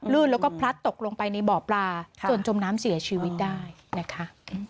แล้วก็พลัดตกลงไปในบ่อปลาจนจมน้ำเสียชีวิตได้นะคะ